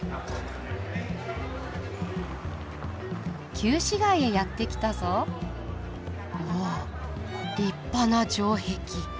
旧市街へやって来たぞ。おっ立派な城壁。